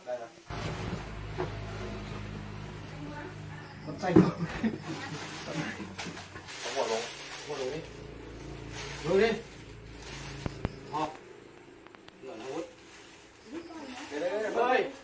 ได้ครับ